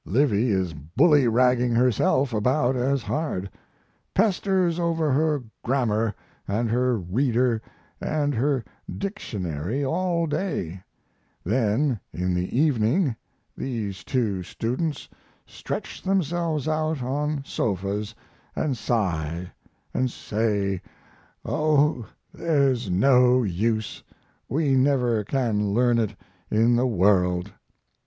Livy is bully ragging herself about as hard; pesters over her grammar and her reader and her dictionary all day; then in the evening these two students stretch themselves out on sofas and sigh and say, "Oh, there's no use! We never can learn it in the world!"